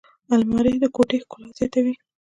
الماري د کوټې ښکلا زیاتوي